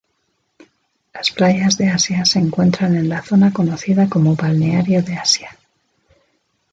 Las playas de Asia se encuentran en la zona conocida como Balneario de Asia.